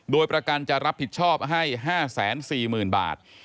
โดยประกันจะรับผิดชอบให้๕๔๐๐๐บาท